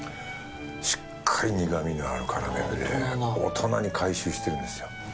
しっかり苦味があるカラメルで大人に回収してるんですよ。